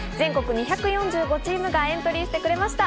全国２４５チームがエントリーしてくれました。